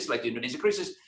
setelah itu indonesia krisis